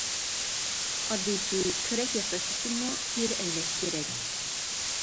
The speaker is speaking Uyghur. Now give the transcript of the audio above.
ئاددىيسى كۆرەك ياساش ئۈچۈنمۇ تېرە ئەيلەش كېرەك.